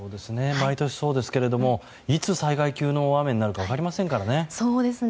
毎年そうですがいつ、災害級の雨になるか分かりませんからね。